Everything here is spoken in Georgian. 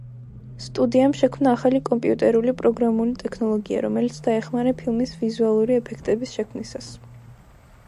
სტუდიამ შექმნა ახალი კომპიუტერული პროგრამული ტექნოლოგია, რომელიც დაეხმარა ფილმის ვიზუალური ეფექტების შექმნისას.